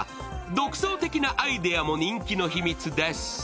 独創的なアイデアも人気の秘密です。